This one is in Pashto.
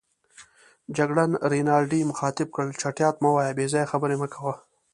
جګړن رینالډي مخاطب کړ: چټیات مه وایه، بې ځایه خبرې مه کوه.